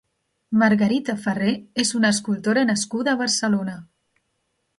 Margarita Farré és una escultora nascuda a Barcelona.